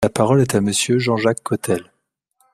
La parole est à Monsieur Jean-Jacques Cottel.